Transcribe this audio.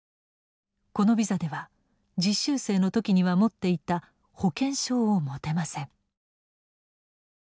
このビザでは実習生の時には持っていた保険証を持てません。